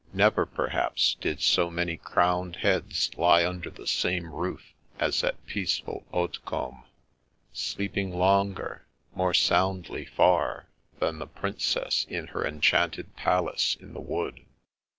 Never, perhaps, did so many crowned heads lie under the same roof as at peace ful Hautecombe, sleeping longer, more soundly far, than the Princess in her enchanted Palace in the Wood.